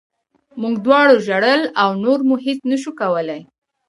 موږ دواړو ژړل او نور مو هېڅ نه شول کولی